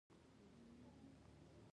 مختلف وګړي له همکارۍ ګټه اخلي.